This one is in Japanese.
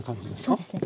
そうですね。